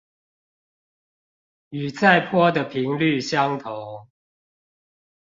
與載波的頻率相同